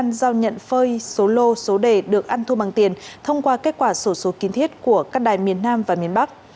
các đối tượng đã dùng nhiều công cụ phương tiện như máy vi tính giao nhận phơi số lô số đề được ăn thua bằng tiền thông qua kết quả sổ số kiến thiết của các đài miền nam và miền bắc